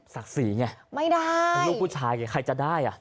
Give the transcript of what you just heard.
ศักดิ์ศรีไงไม่ได้ลูกผู้ชายไงใครจะได้อะ